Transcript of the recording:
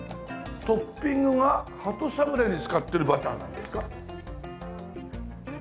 トッピングが鳩サブレーに使ってるバターなんですか？